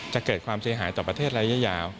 จะเกิดความเสียหายต่อประเทศระยะยาว